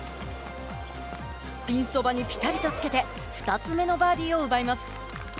ピンそばにぴたりとつけて２つ目のバーディーを奪います。